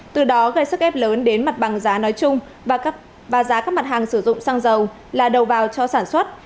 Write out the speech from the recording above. từ đó gây sức ép lớn đến mặt bằng giá nói chung và giá các mặt hàng sử dụng xăng dầu là đầu vào cho sản xuất